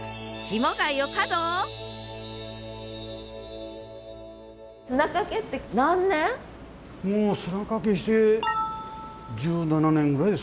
もう砂かけして１７年ぐらいですかね。